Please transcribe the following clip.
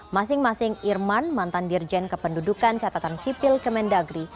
masing masing irman mantan dirjen kependudukan catatan sipil kemendagri